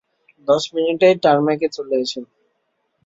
দশ মিনিটেই টার্মেকে চলে এসো।